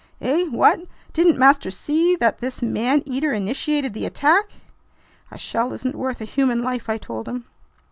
"Eh? What? Didn't master see that this man eater initiated the attack?" "A shell isn't worth a human life!" I told him.